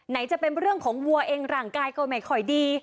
จะเป็นเรื่องของวัวเองร่างกายก็ไม่ค่อยดี